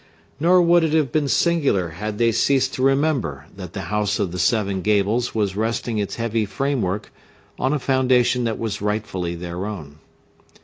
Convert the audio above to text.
Nor would it have been singular had they ceased to remember that the House of the Seven Gables was resting its heavy framework on a foundation that was rightfully their own.